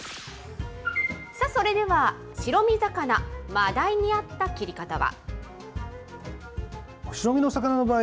それでは白身魚、真鯛に合った切り方は。